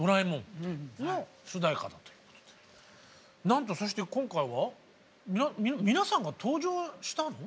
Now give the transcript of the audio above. なんとそして今回は皆さんが登場したの？